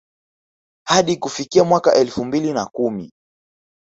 Hadi kufikia mwaka wa elfu mbili na kumi